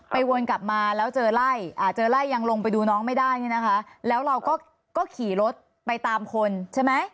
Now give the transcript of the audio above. วนกลับมาแล้วเจอไล่อ่าเจอไล่ยังลงไปดูน้องไม่ได้เนี่ยนะคะแล้วเราก็ขี่รถไปตามคนใช่ไหม